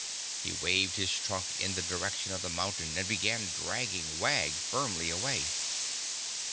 He waved his trunk in the direction of the mountain and began dragging Wag firmly away.